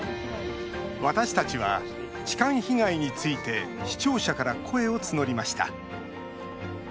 私たちは痴漢被害について視聴者から声を募りました。